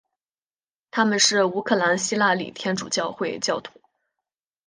他们是乌克兰希腊礼天主教会教徒。